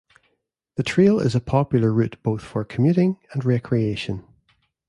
The trail is a popular route both for commuting and recreation.